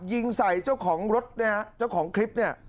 ยิงใส่เจ้าของรถเนี่ยเจ้าของคลิปเนี่ย